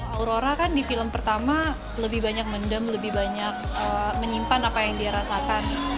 aurora kan di film pertama lebih banyak mendam lebih banyak menyimpan apa yang dia rasakan